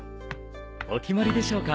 お決まりでしょうか？